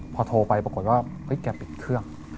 พอโทรไปปรากฏว่าเฮ้ยแกปิดเครื่อง